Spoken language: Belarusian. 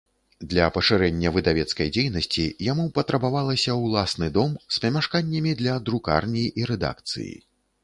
Для пашырэння выдавецкай дзейнасці яму патрабавалася ўласны дом з памяшканнямі для друкарні і рэдакцыі.